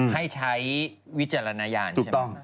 ให้ใช้วิจารณญาณใช่ไหม